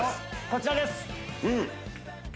こちらです